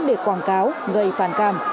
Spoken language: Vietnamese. để quảng cáo gây phản cảm